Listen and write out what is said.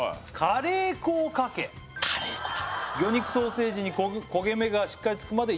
カレー粉だ「魚肉ソーセージに焦げ目がしっかりつくまで」